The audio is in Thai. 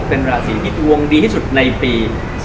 เป็นราศีที่ดวงดีที่สุดในปี๒๕๖